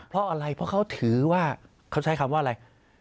เพราะอะไรเพราะเขาถือว่าเขาใช้คำว่าอะไร